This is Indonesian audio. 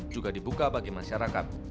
juga dibuka bagi masyarakat